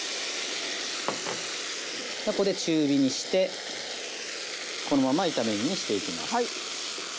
ここで中火にしてこのまま炒め煮にしていきます。